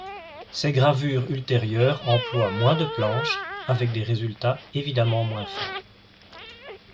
Ses gravures ultérieures emploient moins de planches, avec des résultats évidemment moins fins.